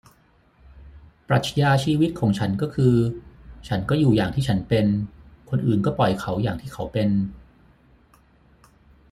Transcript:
ปรัชญาชีวิตของฉันก็คือ ฉันก็อยู่อย่างที่ฉันเป็น คนอื่นก็ปล่อยเขาอย่างที่เขาเป็น